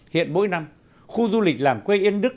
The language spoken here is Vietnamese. hiện mỗi năm khu du lịch làng quê yên đức